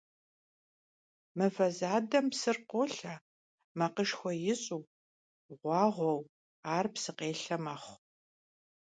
Mıve zadem psır kholhe, makhışşxue yiş'u, ğuağueu, ar psıkhêlhe mexhu.